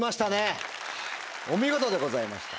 お見事でございました。